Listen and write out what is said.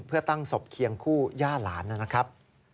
เพื่อตั้งศพเคียงคู่ย่าหลานนะครับ